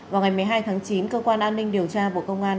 vào ngày một mươi hai tháng chín cơ quan an ninh điều tra bộ công an